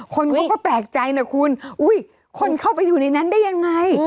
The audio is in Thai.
คนเขาก็แปลกใจนะคุณอุ้ยคนเข้าไปอยู่ในนั้นได้ยังไง